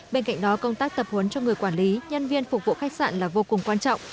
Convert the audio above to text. bên cạnh đó công tác tập huấn cho người quản lý nhân viên phục vụ khách sạn là vô cùng quan trọng